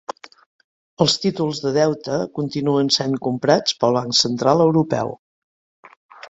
Els títols de deute continuen essent comprats pel Banc Central Europeu